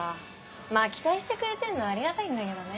まぁ期待してくれてんのはありがたいんだけどね。